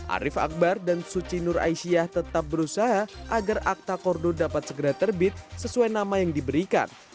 arief akbar dan suci nur aisyah tetap berusaha agar akta kordo dapat segera terbit sesuai nama yang diberikan